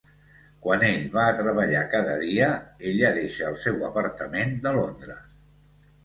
Quan ell va a treballar cada dia, ella deixa el seu apartament de Londres.